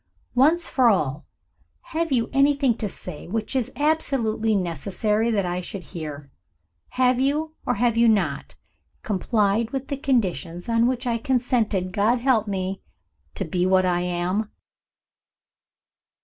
Once for all, have you anything to say which it is absolutely necessary that I should hear? Have you, or have you not, complied with the conditions on which I consented God help me! to be what I am?"